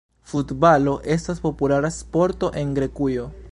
Futbalo estas populara sporto en Grekujo.